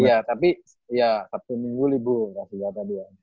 iya tapi satu minggu libur kasi kata dia